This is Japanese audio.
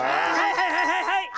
はいはいはいはい！